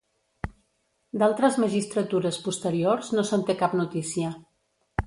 D'altres magistratures posteriors no se'n té cap notícia.